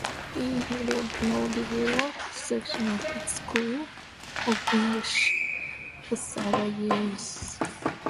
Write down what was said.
He headed the Medieval section of its School of English for several years.